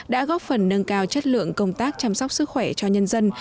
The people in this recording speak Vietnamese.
đã góp phần nâng cao chất lượng công tác chăm sóc sức khỏe cho nhân dân